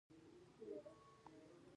زما مور مهربانه ښځه ده.